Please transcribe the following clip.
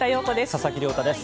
佐々木亮太です。